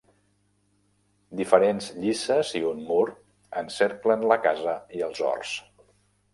Diferents llices i un mur encerclen la casa i els horts.